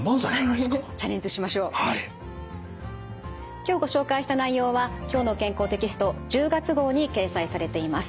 今日ご紹介した内容は「きょうの健康」テキスト１０月号に掲載されています。